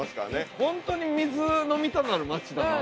本当に水飲みたなる街だな。